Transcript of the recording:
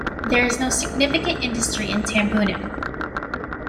There is no significant industry in Tambunan.